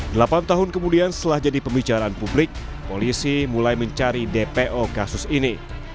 delapan tahun kemudian setelah jadi pembicaraan publik polisi mulai mencari dpo kasus ini